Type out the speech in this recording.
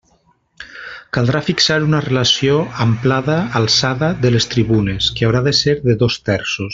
Caldrà fixar una relació amplada alçada de les tribunes, que haurà de ser dos terços.